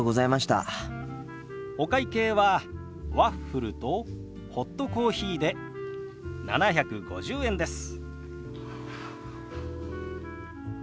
お会計はワッフルとホットコーヒーで７５０円です。